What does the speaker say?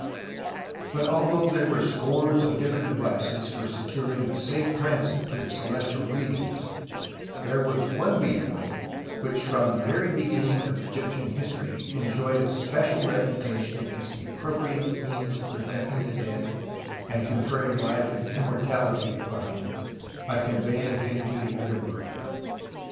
But although there were scores of different devices for securing a safe transit to the celestial regions, there was one vehicle which from the very beginning of Egyptian history enjoyed a special reputation as the appropriate means of protecting the dead and conferring life and immortality upon him by conveying him to the other world.